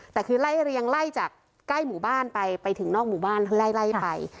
แต่คือไล่เรียงไล่จากใกล้หมู่บ้านไปไปถึงนอกหมู่บ้านไล่ไป